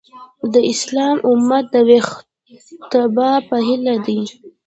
د اسلامي امت د ویښتابه په هیله!